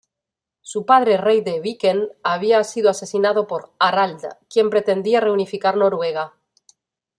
Su padre, rey de Viken, había sido asesinado por Harald, quien pretendía reunificar Noruega.